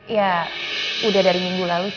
ya udah dari minggu lalu sih